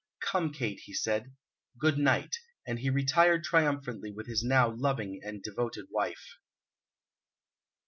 "Come, Kate!" he said. "Good night!" And he retired triumphantly with his now loving and devoted wife.